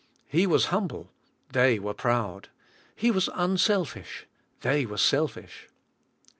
He was humble, they were proud. He was unselfish, the} were selfish.